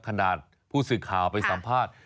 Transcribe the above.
ขณะผู้สื่อข่าวไปสัมภาษณ์